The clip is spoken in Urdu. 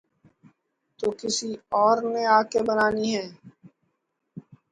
تو کسی اور نے آ کے بنانی ہیں۔